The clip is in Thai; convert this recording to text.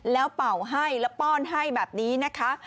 แล้วเป่าให้แล้วป้อนให้แบบนี้นะคะ